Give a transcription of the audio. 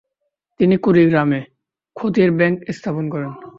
তিনি কুড়িগ্রামে ক্ষত্রিয় ব্যাংক স্থাপন করেন।